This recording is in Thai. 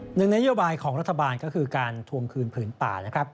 หนึ่งนโยบายของรัฐบาลก็คือการทวงคืนผืนป่านะครับ